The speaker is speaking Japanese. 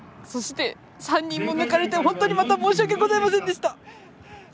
そして、３人も抜かれて本当に申し訳ございませんでした。